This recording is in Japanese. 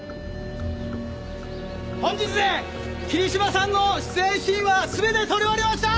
本日で桐島さんの出演シーンは全て撮り終わりました！